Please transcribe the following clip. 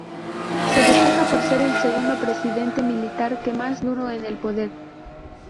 Se destaca por ser el segundo presidente militar que más duró en el poder.